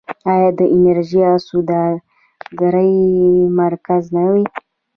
آیا د انرژۍ او سوداګرۍ مرکز نه وي؟